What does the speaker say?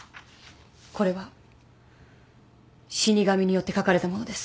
これは死神によって書かれたものです。